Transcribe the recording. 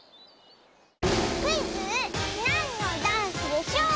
クイズ「なんのダンスでしょう」